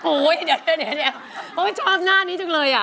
โอ้ยเดี๋ยวชอบหน้านี้จริงเลย